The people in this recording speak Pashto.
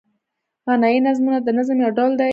غنايي نظمونه د نظم یو ډول دﺉ.